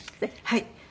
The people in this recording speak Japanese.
はい。